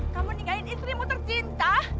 kamu ninggalin istrimu tercinta